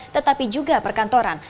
tetapi juga perkantoran